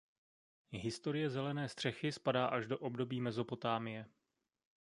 Historie zelené střechy spadá až do období Mezopotámie.